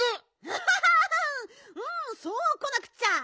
アハハそうこなくっちゃ！